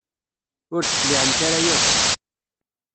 Ur d-cliɛent ara yakk.